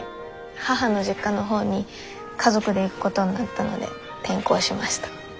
母の実家の方に家族で行くことになったので転校しました。